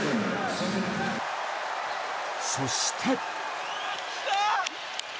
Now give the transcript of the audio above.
そして。